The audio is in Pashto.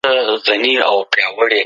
د خلګو عادتونه څه وو؟